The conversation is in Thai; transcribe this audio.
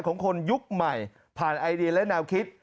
ของคนยุคใหม่ผ่านไอเดียและแนวคิด